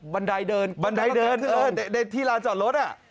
บันไดเดินบันไดเดินที่ร้านจอดรถ